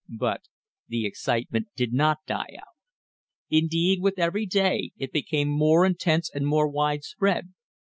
But the excitement did not die out. Indeed, with every day it became more intense and more wide spread.